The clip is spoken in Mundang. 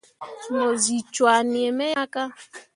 Mu zi cwah nii me ya ka.